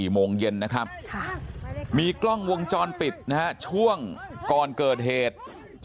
โมงเย็นนะครับมีกล้องวงจรปิดนะฮะช่วงก่อนเกิดเหตุ